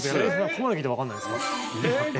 ここまで聞いてもわからないです。